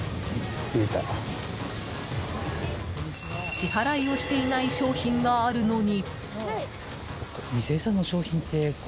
支払いをしていない商品があるのに。